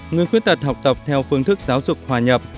người khuyết tật học tập theo phương thức giáo dục hòa nhập